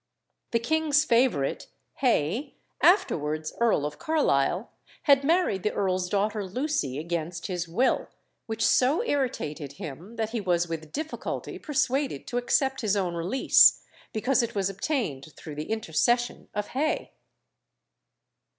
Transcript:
The king's favourite, Hay, afterwards Earl of Carlisle, had married the earl's daughter Lucy against his will, which so irritated him that he was with difficulty persuaded to accept his own release, because it was obtained through the intercession of Hay.